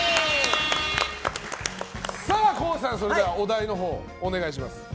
ＫＯＯさん、お題のほうお願いします。